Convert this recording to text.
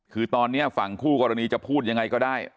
คือตอนนี้ฝั่งคู่กรณีจะพูดยังไงก็ได้